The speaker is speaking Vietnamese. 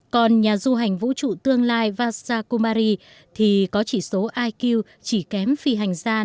còn nhà du hành vũ trụ tương lai vasakumari thì có chỉ số iq chỉ kém phi hành gian